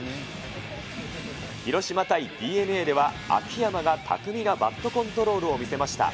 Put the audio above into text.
広島対ＤｅＮＡでは、秋山が巧みなバットコントロールを見せました。